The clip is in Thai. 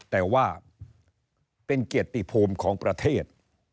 แต่ว่าเป็นเกียรติภูมิของประเทศ